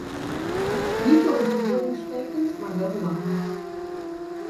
Niet tot de verbeelding sprekend, maar wel belangrijk.